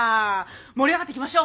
盛り上がっていきましょう。